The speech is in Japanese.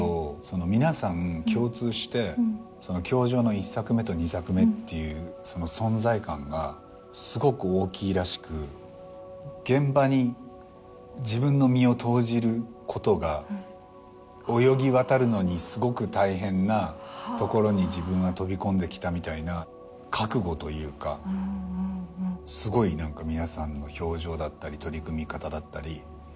皆さん共通して『教場』の１作目と２作目っていうその存在感がすごく大きいらしく現場に自分の身を投じることが泳ぎ渡るのにすごく大変な所に自分は飛び込んできたみたいな覚悟というかすごい皆さんの表情だったり取り組み方だったりものすごい感じますね。